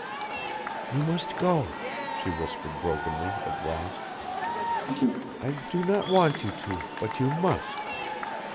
"You must go," she whispered brokenly, at last. "I do not want you to, but you must."